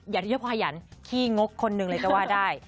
อย่าเที่ยวพอยันขี้งกคนหนึ่งเลยก็ว่าได้